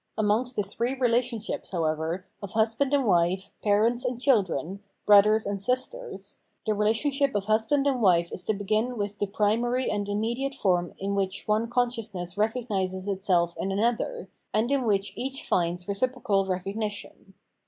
Amongst the three relationships, however, of husband and wife, parents and children, brothers and sisters, the von II. n 450 Phenomenology of Mind relationsHp of husband and wife is to begin with the primary and immediate form in which one conscious ness recognises itself in another, and in which each finds reciprocal recognition.